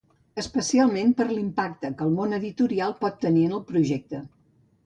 Especialment per l'impacte que el món editorial pot tenir en el projecte.